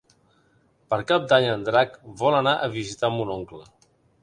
Per Cap d'Any en Drac vol anar a visitar mon oncle.